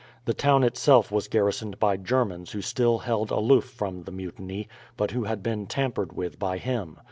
The town itself was garrisoned by Germans who still held aloof from the mutiny, but who had been tampered with by him.